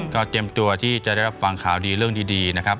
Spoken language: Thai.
ก็เตรียมตัวที่จะได้รับฟังข่าวดีเรื่องดีนะครับ